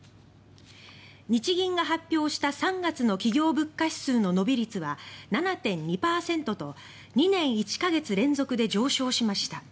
日銀が発表した３月の企業物価指数の伸び率は７．２％と２年１か月連続で上昇しました。